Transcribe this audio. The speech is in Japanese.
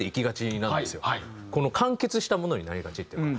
この完結したものになりがちっていうか。